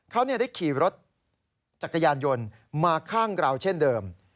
เขาได้ขี่รถจักรยานยนต์มาข้างเราเช่นเดิม